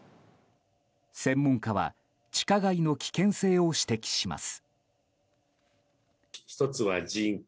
専門家は地下街の危険性を指摘します。